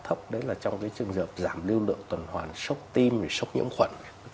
thấp đấy là trong cái trường hợp giảm lưu lượng tuần hoàn sốc tim sốc nhiễm khuẩn